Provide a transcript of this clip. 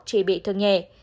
chỉ bị thương nhẹ